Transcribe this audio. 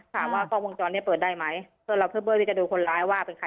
ถามว่ากล้องวงจรเนี่ยเปิดได้ไหมส่วนเราเพื่อเบิ้ลที่จะดูคนร้ายว่าเป็นใคร